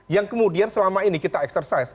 yang kemudian selama ini kita eksersis